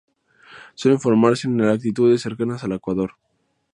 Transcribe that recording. Suelen formarse en latitudes cercanas al Ecuador.